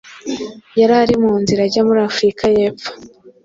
yari ari mu nzira ajya muri Afurika y’Epfo